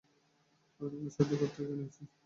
আমি তোমাকে সাহায্য করতে এখানে আছি।